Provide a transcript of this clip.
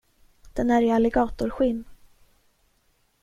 Den är i alligatorskinn.